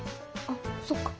あっそっか。